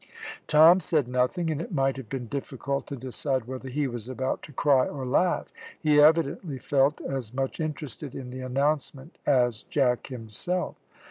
Tom said nothing, and it might have been difficult to decide whether he was about to cry or laugh. He evidently felt as much interested in the announcement as Jack himself.